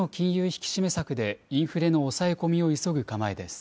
引き締め策で、インフレの抑え込みを急ぐ構えです。